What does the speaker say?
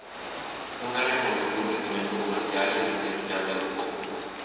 Un área con mucho crecimiento comercial y residencial de lujo.